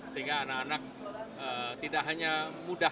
sehingga anak anak tidak hanya mudah